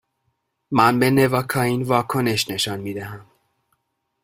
من به نواکائین واکنش نشان می دهم.